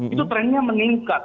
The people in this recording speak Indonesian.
itu trennya meningkat